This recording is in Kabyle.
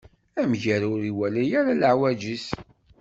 Amger ur iwala ara leɛwej-is.